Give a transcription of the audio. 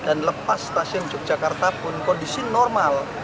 dan lepas stasiun yogyakarta pun kondisi normal